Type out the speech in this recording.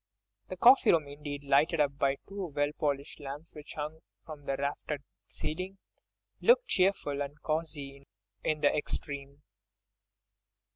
The coffee room indeed, lighted by two well polished lamps, which hung from the raftered ceiling, looked cheerful and cosy in the extreme.